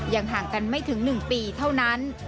ห่างกันไม่ถึง๑ปีเท่านั้น